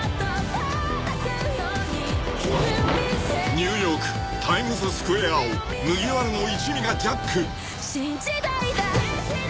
［ニューヨークタイムズスクエアを麦わらの一味がジャック］